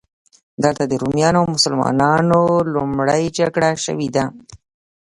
دلته د رومیانو او مسلمانانو لومړۍ جګړه شوې ده.